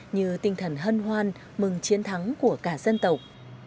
như tinh thần hân hoan mừng chiến thắng của cả dân tộc